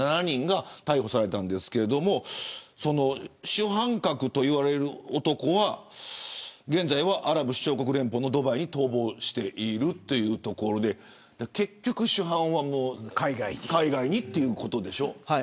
主犯格といわれる男は現在は、アラブ首長国連邦のドバイに逃亡しているというところで結局、主犯は海外にということでしょ。